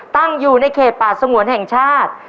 ตั้งอยู่ในเขตป่าสงวนแห่งชาติ